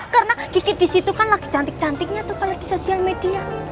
karena kiki disitu kan lagi cantik cantiknya tuh kalo di sosial media